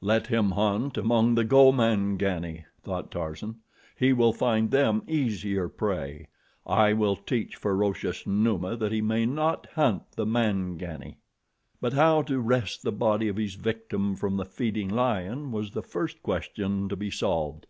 "Let him hunt among the Gomangani," thought Tarzan. "He will find them easier prey. I will teach ferocious Numa that he may not hunt the Mangani." But how to wrest the body of his victim from the feeding lion was the first question to be solved.